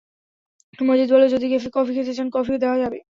মজিদ বলল, যদি কফি খেতে চান, কফিও দেওয়া যাবে।